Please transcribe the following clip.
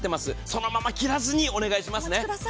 そのまま切らずにお願いしますね。